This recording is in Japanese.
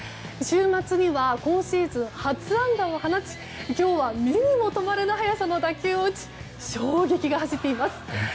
週末には今シーズン初安打を放ち今日は目にも留まらぬ速さの打球を打ち衝撃が走っています。